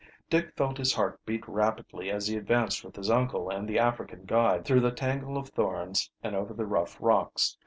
Dick felt his heart beat rapidly as he advanced with his uncle and the African guide through the tangle of thorns and over the rough rocks.